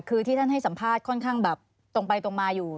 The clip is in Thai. คือที่ท่านให้สัมภาษณ์ค่อนข้างแบบตรงไปตรงมาอยู่